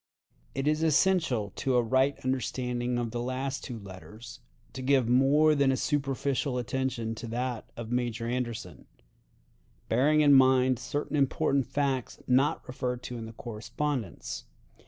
It is essential to a right understanding of the last two letters to give more than a superficial attention to that of Major Anderson, bearing in mind certain important facts not referred to in the correspondence.